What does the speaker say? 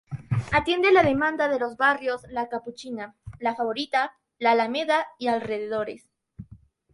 Atiende la demanda de los barrios La Capuchina, La Favorita, La Alameda y alrededores.